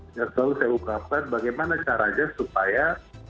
saya selalu saya ukapkan bagaimana caranya supaya